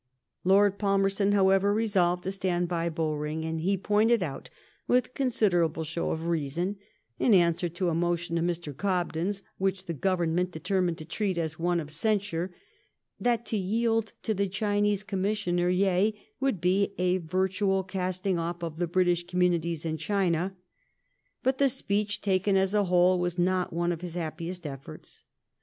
Lord Palmerston, however, resolved to tstand by Bowring, and he pointed out, with considerable show of reason, in answer to a motion of Mr. Gobden's which the Government determined to treat as one of oensure, that to yield to the Chinese Commissioner Yeh, would be " a virtual casting off of the British communities in China." But the speech, taken as a whole, was not one of his happiest efforts.